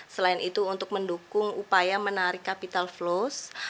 selain itu untuk mendukung upaya menarik capital flows